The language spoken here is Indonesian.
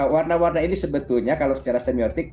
warna warna ini sebetulnya kalau secara semiotik